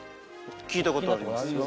聞いたことあります。